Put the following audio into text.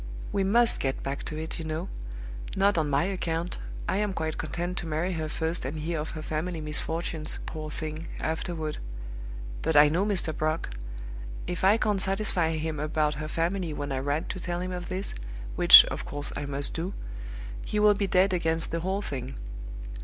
We must get back to it, you know. Not on my account; I am quite content to marry her first and hear of her family misfortunes, poor thing, afterward. But I know Mr. Brock. If I can't satisfy him about her family when I write to tell him of this (which, of course, I must do), he will be dead against the whole thing.